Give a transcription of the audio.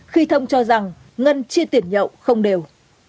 khi thông cho rằng ngân chia tiền nhậu không đều